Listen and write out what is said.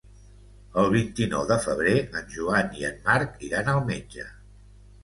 El vint-i-nou de febrer en Joan i en Marc iran al metge.